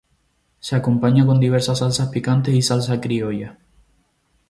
Se acompaña con diversas salsas picantes y salsa criolla.